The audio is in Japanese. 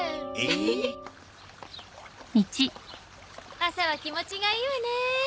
朝は気持ちがいいわね。